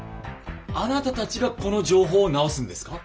あなたたちがこの情報を直すんですか？